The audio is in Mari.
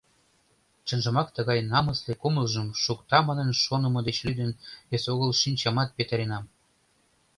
Чынжымак тыгай намысле кумылжым шукта манын шонымо деч лӱдын, эсогыл шинчамат петыренам.